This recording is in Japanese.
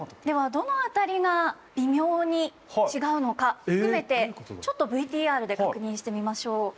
ではどの辺りが微妙に違うのか含めてちょっとＶＴＲで確認してみましょう。